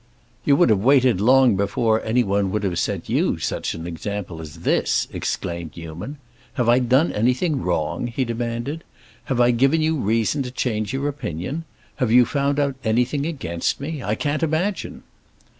"You would have waited long before anyone would have set you such an example as this," exclaimed Newman. "Have I done anything wrong?" he demanded. "Have I given you reason to change your opinion? Have you found out anything against me? I can't imagine."